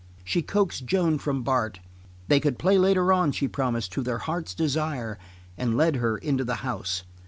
She coaxed Joan from Bart they could play later on, she promised, to their heart's desire and led her into the house.